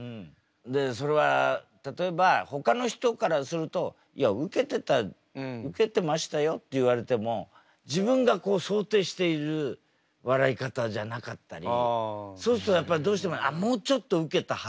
でそれは例えばほかの人からすると「いやウケてた」「ウケてましたよ」って言われても自分が想定している笑い方じゃなかったりそうするとやっぱりどうしても「ああもうちょっとウケたはず」とか。